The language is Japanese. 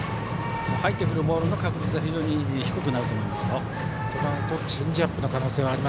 入ってくるボールの確率が非常に低くなると思いますよ。